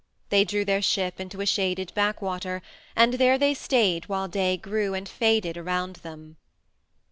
They drew their ship into a shaded backwater, and there they stayed while day grew and faded around them.